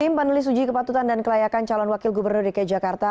tim panelis uji kepatutan dan kelayakan calon wakil gubernur dki jakarta